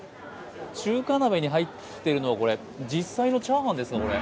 中華鍋に入ってるのは、これ、実際のチャーハンですか？